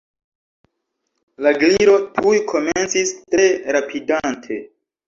La Gliro tuj komencis, tre rapidante.